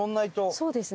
そうですね。